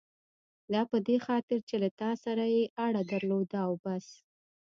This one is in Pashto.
دا په دې خاطر چې له تا سره یې اړه درلوده او بس.